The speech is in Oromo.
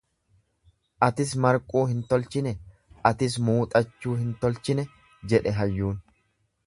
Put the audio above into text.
Atis marquu hin tolchine, atis muuxachuu hin tolchine jedhe hayyuun.